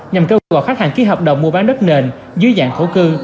nhằm kêu gọi khách hàng ký hợp đồng mua bán đất nền dưới dạng khẩu cư